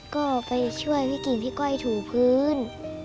ก็ไปช่วยพี่กิ่งพี่ก้อยถูพื้น